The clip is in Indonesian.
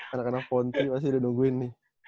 anak anak ponti pasti udah nungguin nih